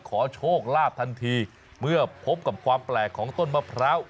ขอโชคลาภทันทีเมื่อพบกับความแปลกของต้นมะพร้าว